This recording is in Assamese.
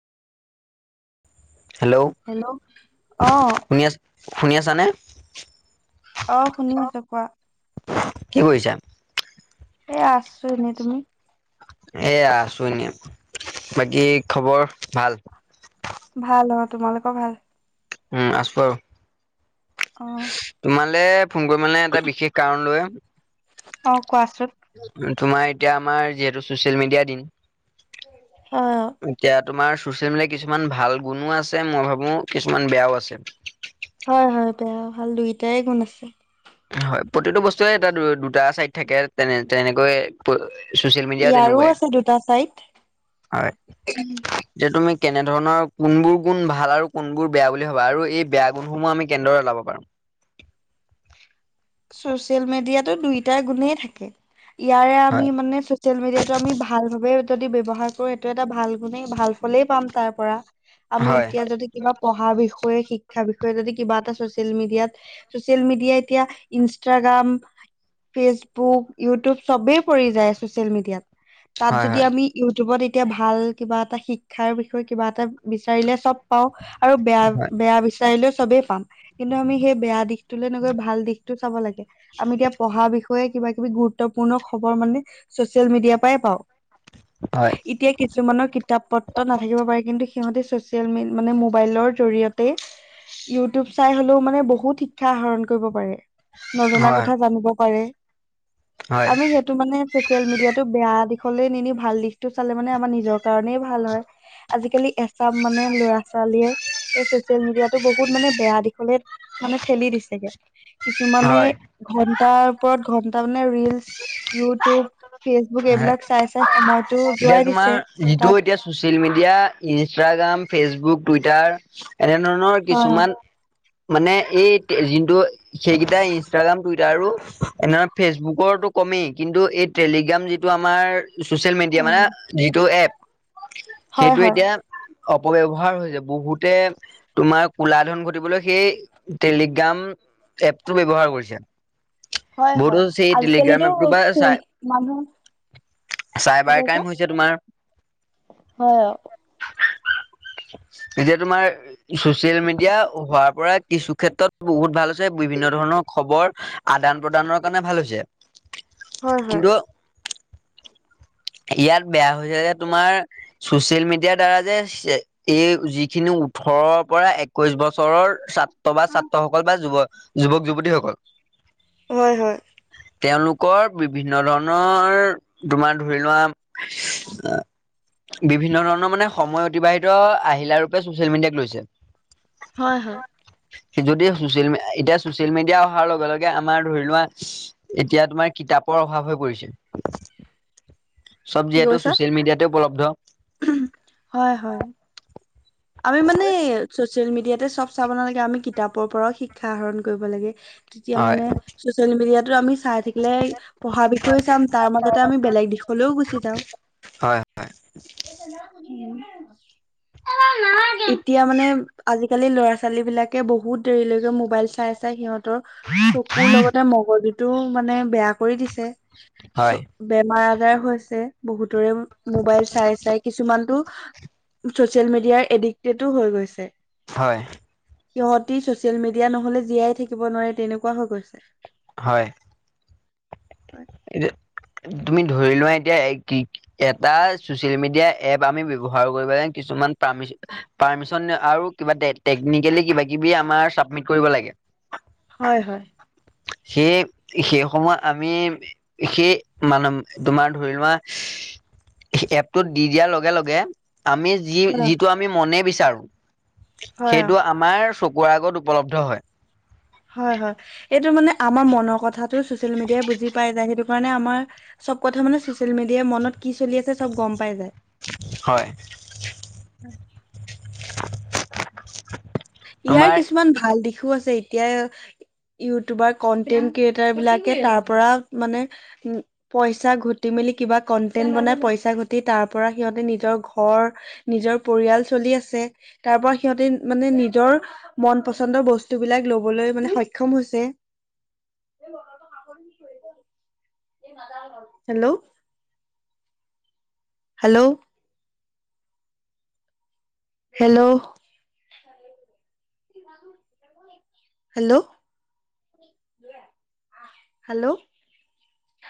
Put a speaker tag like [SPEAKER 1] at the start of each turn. [SPEAKER 1] হেল্ল'
[SPEAKER 2] হেল্ল' অ।
[SPEAKER 1] শুনি আছ শুনি আছানে?
[SPEAKER 2] অ শুনি আছো কোৱা।
[SPEAKER 1] কি কৰিছা?
[SPEAKER 2] এই আছো এনেই, তুমি?
[SPEAKER 1] এয়া আছো এনে বাকী খবৰ ভাল।
[SPEAKER 2] ভাল অ। তোমালোকৰ ভাল?
[SPEAKER 1] উম আছো আৰু
[SPEAKER 2] অ
[SPEAKER 1] তোমালে ফোন কৰি মানে এটা বিশেষ কাৰণ লৈ।
[SPEAKER 2] অ কোৱাচোন।
[SPEAKER 1] তোমাৰ এতিয়া আমাৰ যিহেতু চচিয়েল মিডিয়া দিন।
[SPEAKER 2] হয়
[SPEAKER 1] এতিয়া তোমাৰ চচিয়েল মিডিয়া কিছুমান ভাল গুণো আছে মই ভাবো কিছুমান বেয়াও আছে।
[SPEAKER 2] হয় হয় বেয়া ভাল দুইটাই গুণ আছে।
[SPEAKER 1] হয় প্ৰতিটো বস্তুৱে এটা দুটা চাইড থাকে তেনে তেনেকৈ চচিয়েল মিডিয়াৰ
[SPEAKER 2] ইয়াৰো
[SPEAKER 1] তেনেকুৱাই।
[SPEAKER 2] আছে দুটা চাইড
[SPEAKER 1] হয়, যে তুমি কেনেধৰণৰ কোনবোৰ গুণ ভাল আৰু কোনবোৰ বেয়া বুলি ভাবা? আৰু এই বেয়া গুণসমূহ আমি কেনেদৰে ওলাব পাৰো। [inaudible]
[SPEAKER 2] ছচিয়েল মিডিয়াতো দুইটা গুণেই থাকে। ইয়াৰে আমি
[SPEAKER 1] হয়
[SPEAKER 2] মানে ছচিয়েল মিডিয়াটো আমি ভাল ভাবে যদি ব্যৱহাৰ কৰো সেইটো এটা ভাল গুণেই ভাল ফলেই পাম তাৰ পৰা। আমি
[SPEAKER 1] হয়
[SPEAKER 2] এতিয়া যদি কিবা পঢ়া বিষয় শিক্ষাৰ বিষয়ে যদি কিবা এটা ছচিয়েল মিডিয়াত ছচিয়েল মিডিয়াই এতিয়া ইনষ্টাগ্ৰাম ফেচবুক ইউটিউব চবেই পৰি যায় ছচিয়েল মিডিয়াত। তাত
[SPEAKER 1] হয়
[SPEAKER 2] যদি
[SPEAKER 1] হয়
[SPEAKER 2] আমি ইউটিউবত এতিয়া ভাল কিবা এটা শিক্ষাৰ বিষয়ে কিবা এটা বিচাৰিলে চব পাওঁ। আৰু বেয়া
[SPEAKER 1] হয়
[SPEAKER 2] বেয়া বিচাৰিলেও চবেই পাম, কিন্তু আমি সেই বেয়া দিশটোলে নগৈ ভাল দিশ লাগে আমি এতিয়া পঢ়া বিষয়ে কিবা কিবি গুৰুত্বপূৰ্ণ খবৰ মানে ছচিয়েল মিডিয়াৰ পাই পাওঁ
[SPEAKER 1] হয়
[SPEAKER 2] এতিয়া কিছুমানৰ কিতাপ পত্ৰ নাথাকিব পাৰে কিন্তু সিহঁতে ছচিয়েল মানে মোবাইলৰ জৰিয়তে ইউটিউব চাই হলেও মানে বহুত শিক্ষা আহৰণ কৰিব পাৰে নজনা
[SPEAKER 1] হয়,
[SPEAKER 2] কথা জানিব পাৰে
[SPEAKER 1] হয়,
[SPEAKER 2] আমি সেইটো মানে ছচিয়েল মিডিয়াটো বেয়া দি নিনি ভাল দিশতটো চালে মানে আমাৰ নিজৰ কাৰণেই ভাল হয় আজিকালি এ চব মানে ল'ৰা ছোৱালীয়ে এই ছচিয়েল মিডিয়াটো বহুত মানে বেয়া দিশলে মানে ঠেলি দিছেগে কিছুমানে
[SPEAKER 1] হয়।
[SPEAKER 2] ঘন্টাৰ ওপৰত ঘন্টা মানে ৰিলচ ইউটিউব ফেচবুক এইবিলাক চাই চাই সময়টো
[SPEAKER 1] এতিয়া
[SPEAKER 2] যোৱাই দিছে।
[SPEAKER 1] তোমাৰ যিটো
[SPEAKER 2] তাৰ
[SPEAKER 1] এতিয়া social media Instagram Facebook Twitter এনেধৰণৰ
[SPEAKER 2] হয়
[SPEAKER 1] কিছুমান মানে এই যিটো সেইকেইটা ইনষ্টাগ্ৰাম টুইটাৰো এনে ফেচবুকৰটো কমেই কিন্তু এই টেলিগ্ৰাম যিটো আমাৰ চচিয়েল মিডিয়া
[SPEAKER 2] উম
[SPEAKER 1] মানে যিটো এপ
[SPEAKER 2] হয়
[SPEAKER 1] সেইটো
[SPEAKER 2] হয়
[SPEAKER 1] এতিয়া। অবয়ৱহাৰ হৈছে বহুতে তোমাৰ কলা ধন ঘটিবলৈ সেই টেলিগ্ৰাম। এপটো ব্য্ৱহাৰ কৰিছে
[SPEAKER 2] হয় হয়
[SPEAKER 1] বহত সেই
[SPEAKER 2] আজিকালিতো
[SPEAKER 1] টেলিগ্ৰাম এপটো বা
[SPEAKER 2] ফোন
[SPEAKER 1] চাই।
[SPEAKER 2] মানুহ কি
[SPEAKER 1] চাইবাৰ
[SPEAKER 2] কৈছা?
[SPEAKER 1] ক্ৰাইম হৈছে তোমাৰ।
[SPEAKER 2] হয়।
[SPEAKER 1] এতিয়া তোমাৰ চচিয়েল মিডিয়া হোৱাৰ পৰা। কিছু ক্ষেত্ৰত বহুত ভাল হৈছে বিভিন্ন ধৰণৰ খবৰ আদান প্ৰদানৰ কাৰণে ভাল হৈছে।
[SPEAKER 2] হয় হয়।
[SPEAKER 1] কিন্তু ইয়াত বেয়া হৈছে যে তোমাৰ। চচিয়েল মিডিয়াৰ দ্বাৰা যে এই যিখিনি ওঠৰৰ পৰা একৈশ বছৰৰ। ছাত্ৰ বা ছাত্ৰসকল বা যুৱক যুৱক যুৱতীসকল।
[SPEAKER 2] হয় হয়।
[SPEAKER 1] তেওঁলোকৰ বিভিন্ন ধৰণৰ তোমাৰ ধৰি লোৱা। বিভিন্ন ধৰণৰ মানে সময় অতিবাহিত আহিল ৰূপে ছচিয়েল মিডিয়াক লৈছে।
[SPEAKER 2] হয় হয়।
[SPEAKER 1] যদি চচিয়েল এতিয়া চচিয়েল মিডিয়া অহাৰ লগে লগে আমাৰ ধৰি লোৱা এতিয়া তোমাৰ। তাপৰ অভাৱ হৈ পৰিছে। চব
[SPEAKER 2] কি
[SPEAKER 1] যিহেতু
[SPEAKER 2] কৈছা?
[SPEAKER 1] ছচিয়েল মিডিয়াতে উপলব্ধ।
[SPEAKER 2] হয় হয়। আমি মানে। চচিয়েল মিডিয়াতে চব চাব নালাগে আমি কিতাপৰ পৰাও শিক্ষা আহৰণ কৰিব লাগে। তেতিয়া
[SPEAKER 1] হয়
[SPEAKER 2] মানে চচিয়েল মিডিয়াতো আমি। চাই থাকিলে পঢ়াৰ বিষয়ে চাম তাৰ মাজতে আমি বেলেগ দিশলৈও গুচি যাওঁ।
[SPEAKER 1] হয়
[SPEAKER 2] ন।
[SPEAKER 1] [inaudible]
[SPEAKER 2] এতিয়া মানে আজিকালি ল'ৰা ছোৱালী বিলাকে বহুত দেৰিলৈকে মোবাইল চাই চাই সিহঁত। হেহতৰ চকুৰ লগতে মগজুতটো মানে বেয়া কৰি দিছে। চ
[SPEAKER 1] হয়
[SPEAKER 2] বেমাৰ আজাৰ হৈছে বহুত। মোবাইল চাই চাই কিছুমান টো। ছচিয়েল মিডিয়াৰ এডিক্টেডো হৈ গৈছে।
[SPEAKER 1] হয়।
[SPEAKER 2] সিহঁতি ছচিয়েল মিডিয়া নহলে জীয়াই থাকিব নোৱাৰে তেনেকুৱা হৈ গৈছে।
[SPEAKER 1] হয়। ইতি। তুমি ধৰি লোৱা এতিয়া কি এটা চচিয়েল মিডিয়া এপ আমি ব্য্ৱহাৰ কৰিব লাগে কিছু। কিছুমান পাৰ্মিন আৰু কিবা টেকনিকেলি কিবা কিবি আমাৰ চাবমিট কৰিব লাগে।
[SPEAKER 2] হয় হয়।
[SPEAKER 1] সেই সেই সময় আমি। সেই মানে তোমাৰ ধৰি লোৱা। এপটোত দি দিয়াৰ লগে লগে। আমি যি
[SPEAKER 2] হয়
[SPEAKER 1] যিটো আমি মনে বিচাৰো
[SPEAKER 2] হয় অ
[SPEAKER 1] সেইটো আমাৰ চকুত। পোৱা আগত উপলব্ধ হয়
[SPEAKER 2] হয় হয় এইটো মানে আমাৰ মনৰ কথাটো ছচিয়েল মিডিয়াই বুজি পাই যায় সেইটো মানে আমাৰ চব কথা মানে চচিয়েল মিডিয়াই মনত কি চলি আছে চব গম পাই যায়
[SPEAKER 1] হয়
[SPEAKER 2] ইয়াৰ
[SPEAKER 1] তোমাৰ
[SPEAKER 2] কিছুমান ভাল দিশো আছে এতিয়া ইউটিউবাৰ কনটেন্ট ক্ৰিয়েটাৰ বিলাকে তাৰ পৰা মানে পইচা ঘটি মেলি কিবা কনটেণ্ট বনাই পইচা ঘটি তাৰ পৰা সিহঁতি নিজৰ ঘৰৰ নিজৰ পৰিয়াল চলি আছে তাৰ পৰা সিহঁতে মানে নিজৰ মন পছন্দৰ বস্তু বিলাক লবলৈ মানে সক্ষম হৈছে
[SPEAKER 1] [inaudible]
[SPEAKER 2] hello hello hello hello hello